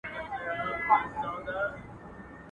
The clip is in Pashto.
انلاین ویډیوګانې ډېرې مشهورې دي